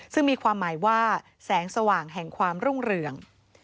ซึ่งมีความหมายว่าแสงสว่างแห่งความรุ่งเรือง